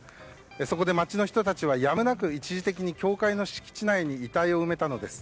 そこで、街の人たちはやむなく一時的に教会の敷地内に遺体を埋めたのです。